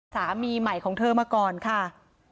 สามีใหม่ของเธอมาก่อนค่ะ